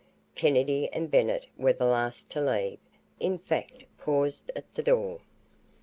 Kennedy and Bennett were the last to leave, in fact paused at the door.